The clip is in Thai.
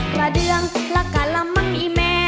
กระเดืองและกะละมังอีแม่